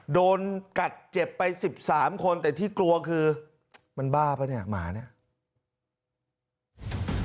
โดนกัดเจ็บไป๑๓คนแต่ที่กลัวคือมันบ้าป่ะเนี่ยหมาเนี่ย